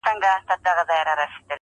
وجود پرېږدمه، روح و گلنگار ته ور وړم